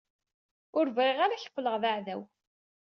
Ur bɣiɣ ara ad k-qqleɣ d aɛdaw.